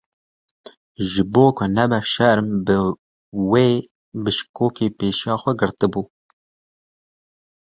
Ji bo ku nebe şerm bi wê bişkokê pêşiya xwe girtibû.